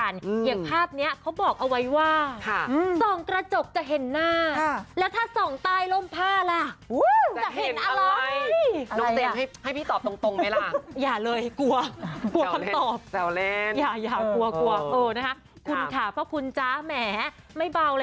น้องเตรียมให้พี่ตอบตรงไหมล่ะ